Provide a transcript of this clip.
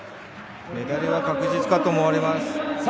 メダルは確実かと思われます。